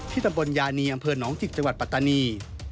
ตำบลยานีอำเภอหนองจิกจังหวัดปัตตานี